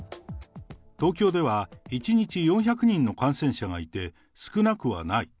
東京では１日４００人の感染者がいて、少なくはない。